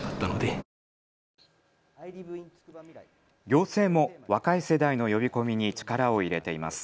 行政も若い世代の呼び込みに力を入れています。